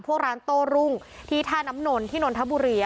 พวกร้านโต้รุ่งที่ท่าน้ำนนที่นนทบุรี